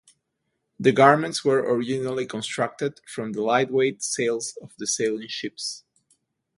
The garments were originally constructed from the lightweight sails of the sailing ships.